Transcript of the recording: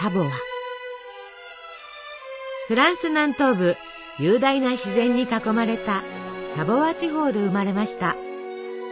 フランス南東部雄大な自然に囲まれたサヴォワ地方で生まれました。